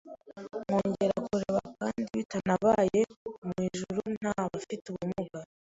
nkongera kureba kandi bitanabayeho mu ijuru ntabafite ubumuga